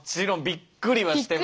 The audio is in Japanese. びっくりはしてます。